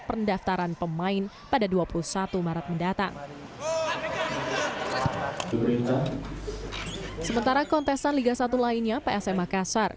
pendaftaran pemain pada dua puluh satu maret mendatang sementara kontesan liga satu lainnya psm makassar